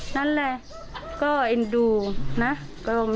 นั้นแหละก็